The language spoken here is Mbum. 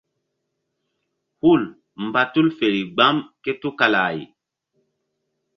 Hul mba tul feri gbam ké tukala-ay.